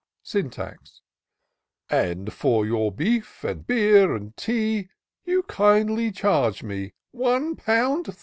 Syntax. " And for your beef, and beer and tea, You kindly charge me — one pound three